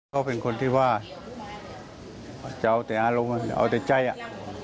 เขาเป็นคนที่ว่าจะเอาแต่อารมณ์เอาแต่ใจอ่ะ